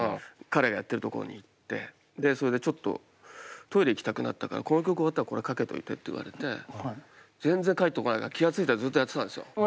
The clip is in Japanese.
彼がやってる所に行ってでそれで「ちょっとトイレ行きたくなったからこの曲終わったらこれかけといて」って言われて全然帰ってこないから気が付いたらずっとやってたんですよ